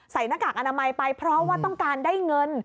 หน้ากากอนามัยไปเพราะว่าต้องการได้เงิน